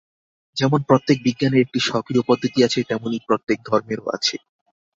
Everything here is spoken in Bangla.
যেমন প্রত্যেক বিজ্ঞানের একটি স্বকীয় পদ্ধতি আছে, তেমনি প্রত্যেক ধর্মেরও আছে।